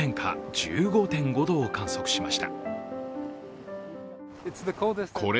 １５．５度を観測しました。